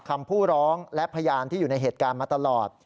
คำผู้ร้องและพยานที่อยู่ในเหตุการณ์มาตลอด